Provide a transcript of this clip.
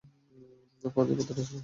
পা ধুয়ে ভিতরে যাস।